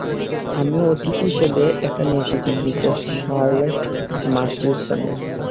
আমি অতিথি হিসেবে এখানে এসেছি মিসেস শার্লট মার্চিসনের।